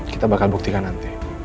kita bakal buktikan nanti